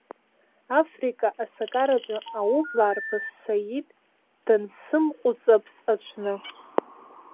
Африка асакараҿы аублаа рԥыс Саид дансымҟәыҵаԥс аҽны!